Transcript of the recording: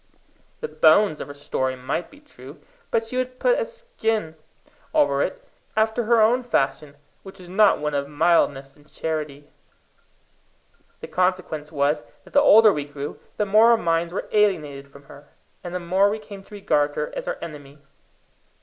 The bones of her story might be true, but she would put a skin over it after her own fashion, which was not one of mildness and charity. The consequence was that the older we grew, the more our minds were alienated from her, and the more we came to regard her as our enemy.